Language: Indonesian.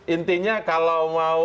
intinya kalau mau